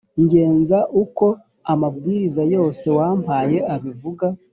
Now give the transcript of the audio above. ngenza uko amabwiriza yose wampaye abivuga.